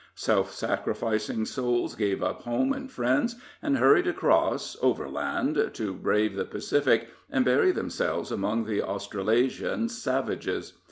Self sacrificing souls gave up home and friends, and hurried across, overland, to brave the Pacific and bury themselves among the Australasian savages.